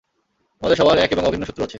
আমাদের সবার এক এবং অভিন্ন শত্রু আছে।